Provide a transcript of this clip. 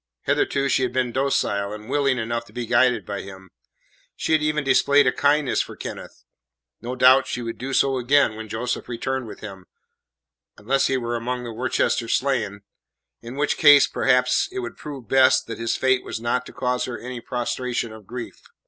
Hitherto she had been docile and willing enough to be guided by him; she had even displayed a kindness for Kenneth; no doubt she would do so again when Joseph returned with him unless he were among the Worcester slain, in which case, perhaps, it would prove best that his fate was not to cause her any prostration of grief.